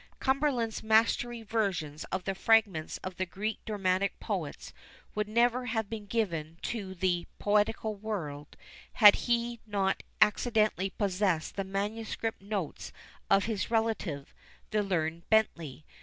Cumberland's masterly versions of the fragments of the Greek dramatic poets would never have been given to the poetical world, had he not accidentally possessed the manuscript notes of his relative, the learned Bentley.